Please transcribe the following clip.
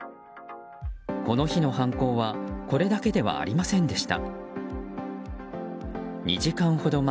この日の犯行はこれだけではありませんでした。